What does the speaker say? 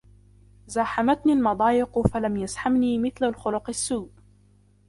زاحمتني المضايق فلم يزحمني مثل الخلق السوء.